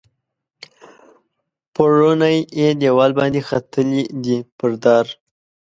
پوړونی یې دیوال باندې ختلي دي پر دار